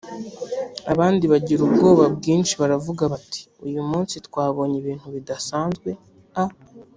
abandi bagira ubwoba bwinshi baravuga bati uyu munsi twabonye ibintu bidasanzwe a